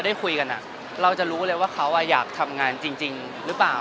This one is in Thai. ได้คุยกันเราจะรู้เลยว่าเขาอยากทำงานจริงหรือเปล่า